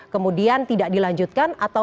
kemudian tidak dilanjutkan atau